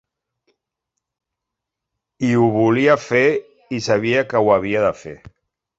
I ho volia fer i sabia que ho havia de fer.